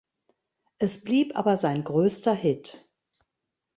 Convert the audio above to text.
Es blieb aber sein größter Hit.